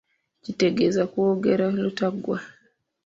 Kitegeeza kwogera lutaggwa.